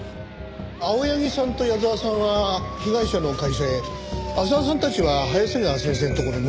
青柳さんと矢沢さんは被害者の会社へ浅輪さんたちは早瀬川先生の所に向かいました。